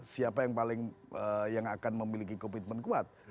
siapa yang paling yang akan memiliki komitmen kuat